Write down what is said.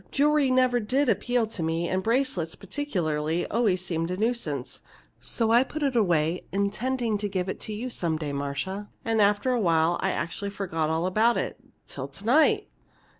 Jewelry never did appeal to me, and bracelets, particularly, always seemed a nuisance. So I put it away intending to give it to you some day, Marcia. And after a while I actually forgot all about it till to night!"